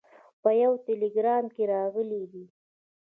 په یوه ټلګرام کې راغلي دي.